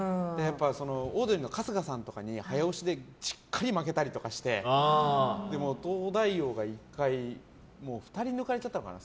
オードリーの春日さんとかに早押しでしっかり負けたりとかして「東大王」が１回、２人抜かれちゃったのかな。